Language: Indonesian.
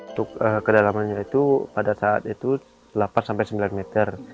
untuk kedalamannya itu pada saat itu delapan sampai sembilan meter